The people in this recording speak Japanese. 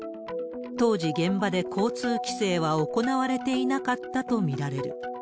当時、現場で交通規制は行われていなかったと見られる。